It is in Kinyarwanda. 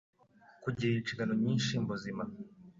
Kugira inshingano nyinshi mbuzima